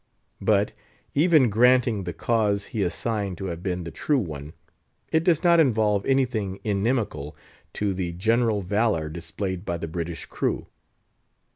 But, even granting the cause he assigned to have been the true one, it does not involve anything inimical to the general valour displayed by the British crew.